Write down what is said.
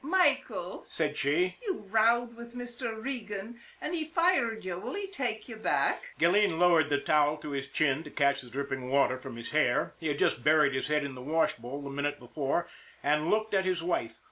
" Michael," said she, " you rowed with Mr. Regan, and he fired you. Will he take you back ?" Gilleen lowered the towel to his chin to catch the dripping water from his hair he had just buried his head in the washbowl the minute before and looked at his wife.